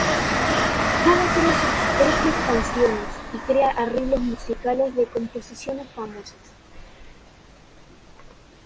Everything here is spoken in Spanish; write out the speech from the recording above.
Coba crea sus propias canciones y crea arreglos musicales de composiciones famosas.